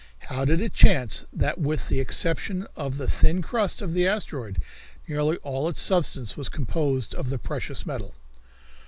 How did it chance that, with the exception of the thin crust of the asteroid, nearly all its substance was composed of the precious metal?